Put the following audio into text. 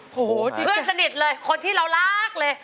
โอ้โหเพื่อนสนิทเลยคนที่เรารักเลย